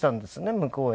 向こうへ。